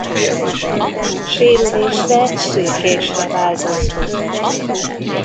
Sérülésre szürkésre változnak.